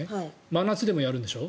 真夏でもやるでしょ。